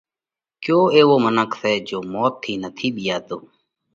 ڪيو ايوو منک سئہ جيو موت ٿِي نٿِي ٻِيئاتو؟